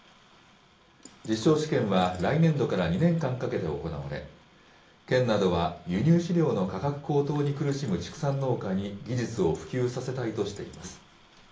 実証試験は来年度から２年間かけて行われ、県などは輸入飼料の価格高騰に苦しむ畜産農家に技術を普及させたいとしています。